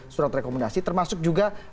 surat rekomendasi termasuk juga